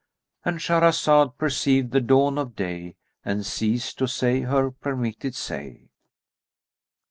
—And Shahrazad perceived the dawn of day and ceased to say her permitted say.